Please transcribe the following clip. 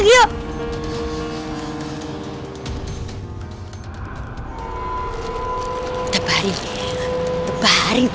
kita bari kita bari